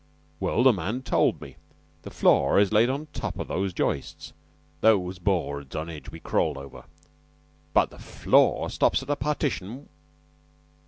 "Well, the man told me. The floor is laid on top of those joists those boards on edge that we crawled over but the floor stops at a partition.